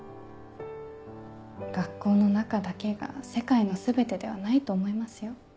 学校の中だけが世界の全てではないと思いますよ。